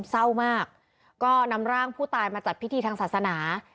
เศร้ามากก็นำร่างผู้ตายมาจัดพิธีทางศาสนา